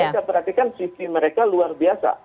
saya perhatikan sisi mereka luar biasa